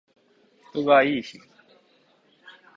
人がいーひん